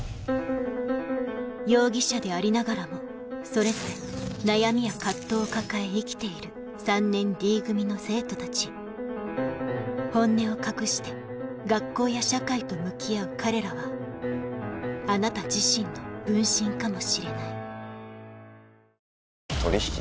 容疑者でありながらもそれぞれ悩みや藤を抱え生きている３年Ｄ組の生徒たち本音を隠して学校や社会と向き合う彼らはあなた自身の分身かもしれない取り引き？